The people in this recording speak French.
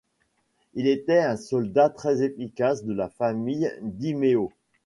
Il était un soldat très efficace de la Famille DiMeo.